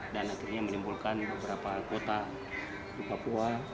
dan akhirnya menimbulkan beberapa kota di papua